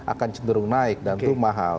akan cenderung naik dan itu mahal